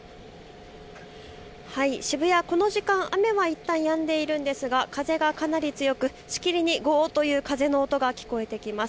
渋谷、この時間雨はいったんやんでいますが風がかなり強くしきりにごーっという風の音が聞こえてきます。